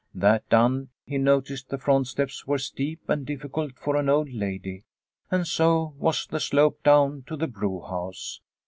That done, he noticed the front steps were steep and diffi cult for an old lady and so was the slope down to the brewhouse.